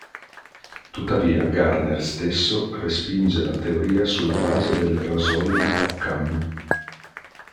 Tuttavia, Gardner stesso respinge la teoria sulla base del Rasoio di Occam.